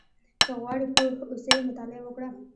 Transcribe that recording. • که غواړې پوه اوسې، مطالعه وکړه.